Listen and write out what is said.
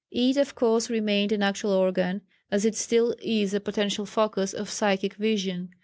It, of course, remained an actual organ, as it still is a potential focus, of psychic vision.